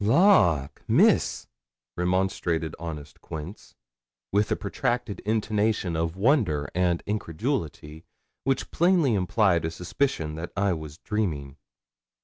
'Lawk, Miss!' remonstrated honest Quince, with a protracted intonation of wonder and incredulity, which plainly implied a suspicion that I was dreaming.